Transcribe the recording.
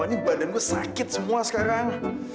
ini badan gue sakit semua sekarang